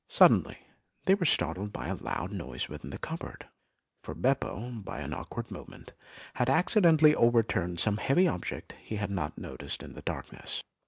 Suddenly they were startled by a loud noise within the cupboard, for Beppo, by an awkward movement, had accidentally overturned some heavy object he had not noticed in the darkness.